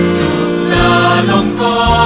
จุกลาลงกอ